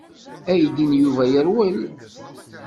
Aydi n Yuba yerwel.